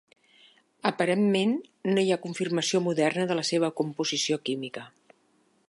Aparentment, no hi ha confirmació moderna de la seva composició química.